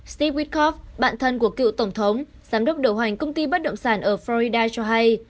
steve witkoff bạn thân của cựu tổng thống giám đốc đầu hoành công ty bất động sản ở florida cho hay